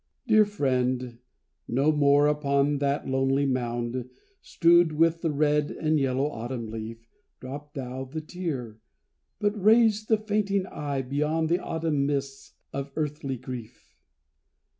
Dear friend, no more upon that lonely mound, Strewed with the red and yellow autumn leaf, Drop thou the tear, but raise the fainting eye Beyond the autumn mists of earthly grief.